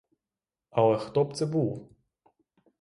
Але хто б це був?